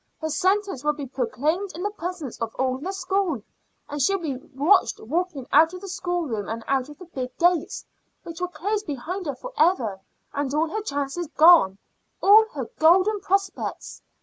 Her sentence will be proclaimed in the presence of all the school, and she will be watched walking out of the schoolroom and out of the big gates, which will close behind her for ever, and all her chance goes all her golden prospects.